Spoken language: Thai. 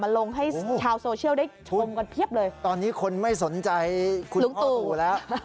ลงให้ชาวโซเชียลได้ชมกันเพียบเลยตอนนี้คนไม่สนใจคุณลุงตู่แล้ว